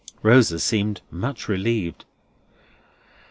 Rosa seemed much relieved.